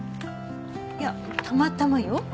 いやたまたまよ。